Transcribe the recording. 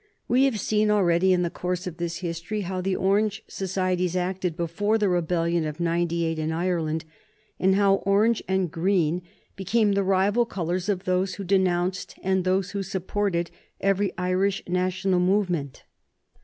We have seen already, in the course of this history, how the Orange societies acted before the rebellion of '98 in Ireland, and how orange and green became the rival colors of those who denounced and those who supported every Irish national movement.